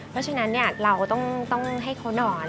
เพราะฉะนั้นเราต้องให้เขานอน